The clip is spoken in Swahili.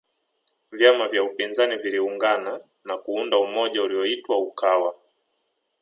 vyama vya upinzani viliungana na kuunda umoja uliyoitwa ukawa